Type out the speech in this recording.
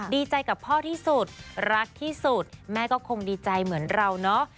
ดีใจกับพ่อที่สุดรักที่สุดแม่ก็คงดีใจเหมือนเราเนาะ